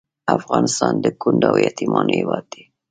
افغانستان د کونډو او یتیمانو هیواد دی